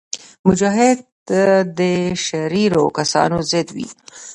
مجاهد د شریرو کسانو ضد وي.